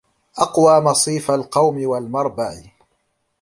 أقوى مصيف القوم والمربع